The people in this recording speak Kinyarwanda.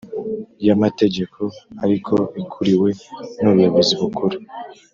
Y amategeko ariko ikuriwe n ubuyobozi bukuru